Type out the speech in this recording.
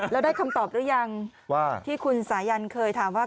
แล้วได้คำตอบหรือยังว่าที่คุณสายันเคยถามว่า